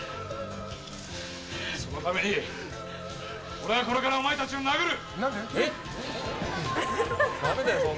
そのために俺はこれからお前たちを殴る。